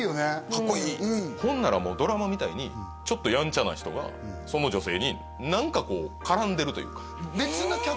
かっこいいっほんならもうドラマみたいにちょっとヤンチャな人がその女性に何かこうからんでるというか別な客？